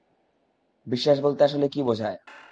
বিশ্বাস বলতে আসলে কী বোঝায়?